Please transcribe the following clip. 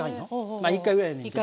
まあ１回ぐらいやねんけど。